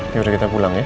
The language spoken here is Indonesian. yaudah kita pulang ya